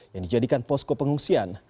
yang dijadikan posko pengungsian